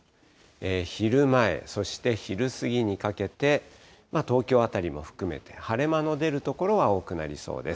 昼前、そして昼過ぎにかけて、東京辺りも含めて晴れ間の出る所は多くなりそうです。